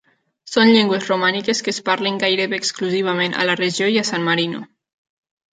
Són llengües romàniques que es parlen gairebé exclusivament a la regió i a San Marino.